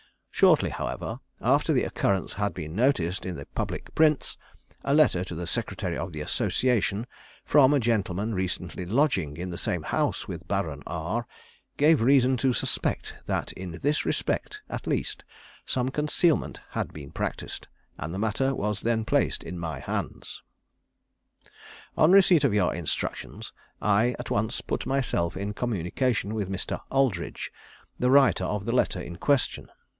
Shortly, however, after the occurrence had been noticed in the public prints, a letter to the Secretary of the Association from a gentleman recently lodging in the same house with Baron R, gave reason to suspect that in this respect, at least, some concealment had been practised, and the matter was then placed in my hands. "On receipt of your instructions, I at once put myself in communication with Mr. Aldridge, the writer of the letter in question.